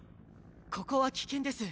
ここは危険です。